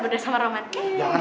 gue gak kuat mau ngeliat angkot